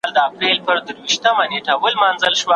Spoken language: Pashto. که خوشحاله ونه اوسې نو ژوند به درته ډېر ستړی کوونکی وي.